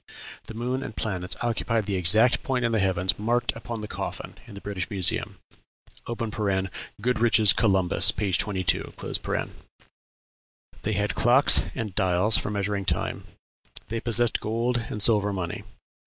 the moon and planets occupied the exact point in the heavens marked upon the coffin in the British Museum." (Goodrich's "Columbus," p. 22.) They had clocks and dials for measuring time. They possessed gold and silver money.